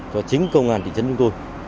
cho chính công an thị trấn chúng tôi